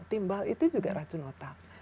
timbal itu juga racun otak